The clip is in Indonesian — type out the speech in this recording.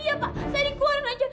iya pak saya dikeluarin aja